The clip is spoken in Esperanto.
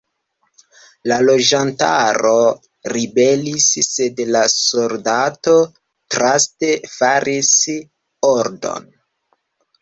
La loĝantaro ribelis, sed la soldatoj draste faris ordon.